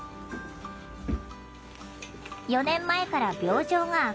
４年前から病状が悪化。